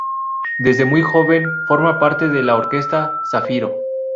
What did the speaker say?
Desde muy joven forma parte de la Orquesta Zafiro.